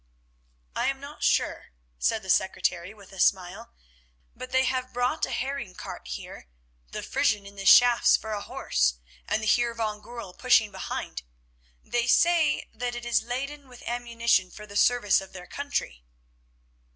"I am not sure," said the secretary with a smile, "but they have brought a herring cart here, the Frisian in the shafts for a horse, and the Heer van Goorl pushing behind. They say that it is laden with ammunition for the service of their country."